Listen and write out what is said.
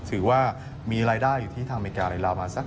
ถือว่ามีรายได้อยู่ที่ทางอเมริกาในลาวประมาณสัก